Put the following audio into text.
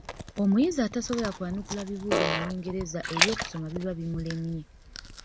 Omuyizi atasobola kwanukula bibuuzo mu Lungereza eby'okusoma biba bimulemye.